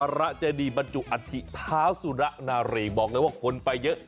สการาชดีบรรจุอธิท้าสุระนารีบอกเลยว่าคนไปเยอะ